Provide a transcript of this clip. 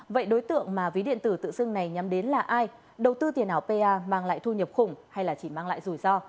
vậy đối tượng mà ví điện tử tự xưng này nhắm đến là ai đầu tư tiền ảo pa mang lại thu nhập khủng hay là chỉ mang lại rủi ro